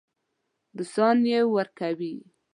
روسان یې ورکوي.